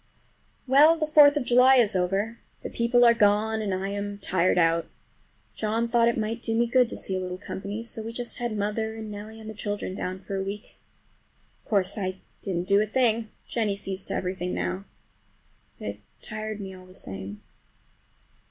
Well, the Fourth of July is over! The people are gone and I am tired out. John thought it might do me good to see a little company, so we just had mother and Nellie and the children down for a week. Of course I didn't do a thing. Jennie sees to everything now. But it tired me all the same.